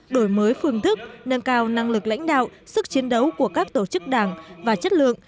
đổi mới phương thức nâng cao năng lực lãnh đạo sức chiến đấu của các tổ chức đảng và chất lượng